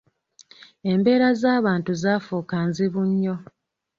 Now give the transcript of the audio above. Embeera z’abantu zaafuuka nzibu nnyo.